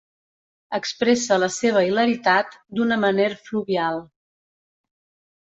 Expressa la seva hilaritat d'una maner fluvial.